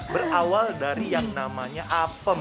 berawal dari yang namanya apem